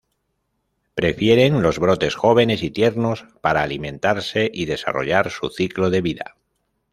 Prefieren los brotes jóvenes y tiernos para alimentarse y desarrollar su ciclo de vida.